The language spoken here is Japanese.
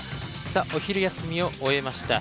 さあお昼休みを終えました。